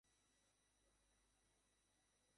চিন্তাগুলিই বহুকালস্থায়ী, আর তাদের গতিও বহুদূরব্যাপী।